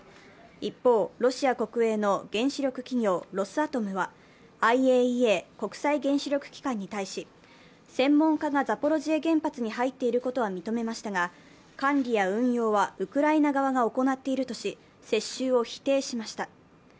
一方、ロシア国営の原子力企業ロスアトムはＩＡＥＡ＝国際原子力機関に対し、専門家がザポロジエ原発に入っていることは認めましたが管理を運用はウクライナ側が行っているとし接収を否定しました。